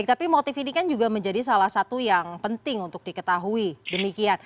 tapi motif ini kan juga menjadi salah satu yang penting untuk diketahui demikian